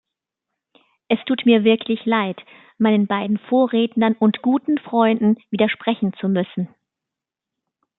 Es tut mir wirklich leid, meinen beiden Vorrednern und guten Freunden widersprechen zu müssen.